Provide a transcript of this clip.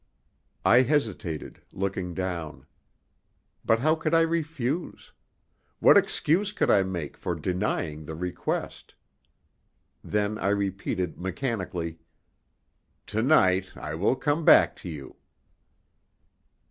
I hesitated, looking down. But how could I refuse? What excuse could I make for denying the request? Then I repeated mechanically: "To night I will come back to you."